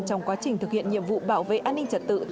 trong quá trình thực hiện nhiệm vụ bảo vệ an ninh trật tự